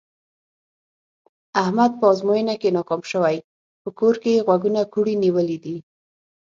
احمد په ازموینه کې ناکام شوی، په کور کې یې غوږونه کوړی نیولي دي.